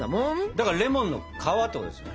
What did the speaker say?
だからレモンの皮ってことですね。